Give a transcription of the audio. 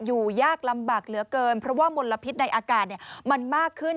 อยู่ยากลำบากเหลือเกินเพราะว่ามลพิษในอากาศมันมากขึ้น